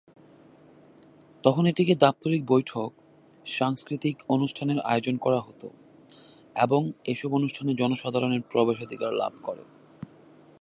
তখন এটিকে দাপ্তরিক বৈঠক, সাংস্কৃতিক অনুষ্ঠানের আয়োজন করা হতো এবং এসব অনুষ্ঠানে জনসাধারণ প্রবেশাধিকার লাভ করে।